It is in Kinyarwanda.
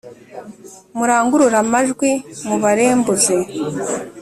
murangurure amajwi, mubarembuze,